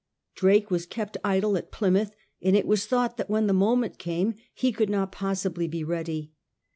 Drake was kept idle at Plymouth, and it was thought that when the moment came he could not possibly be ready.